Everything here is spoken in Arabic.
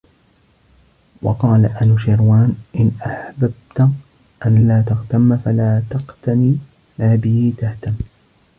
وَقَالَ أَنُوشِرْوَانَ إنْ أَحْبَبْت أَنْ لَا تَغْتَمَّ فَلَا تَقْتَنِ مَا بِهِ تَهْتَمُّ